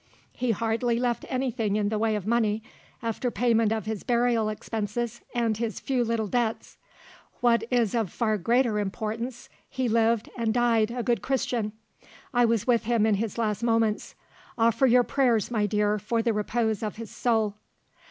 He hardly left anything in the way of money, after payment of his burial expenses, and his few little debts. What is of far greater importance he lived, and died, a good Christian. I was with him in his last moments. Offer your prayers, my dear, for the repose of his soul.